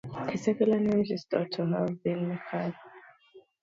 His secular name is thought to have been Mikhail.